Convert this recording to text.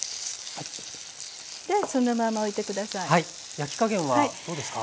焼き加減はどうですか？